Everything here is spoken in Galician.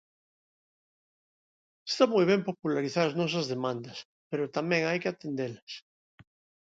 Está moi ben popularizar as nosas demandas pero tamén hai que atendelas.